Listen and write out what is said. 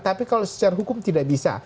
tapi kalau secara hukum tidak bisa